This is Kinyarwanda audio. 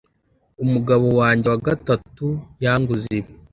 Umugabo wanjye wa gatatu yanguze ibi.